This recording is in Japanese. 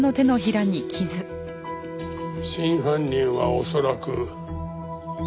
真犯人は恐らく。